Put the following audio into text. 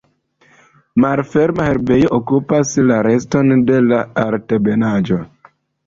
Malferma herbejo okupas la reston de la altebenaĵo.